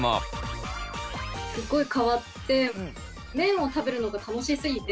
すごい変わって麺を食べるのが楽しすぎて。